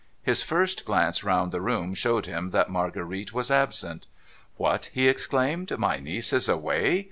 His first glance round the room showed him that Marguerite was absent. 'What!' he exclaimed, 'my niece is away?